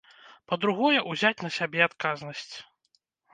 Па-другое, узяць на сябе адказнасць.